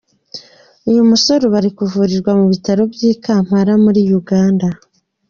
Uyu musore ubu ari kuvurirwa mu bitaro by’i Kampala muri Uganda.